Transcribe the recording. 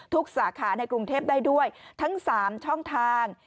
สาขาในกรุงเทพได้ด้วยทั้ง๓ช่องทาง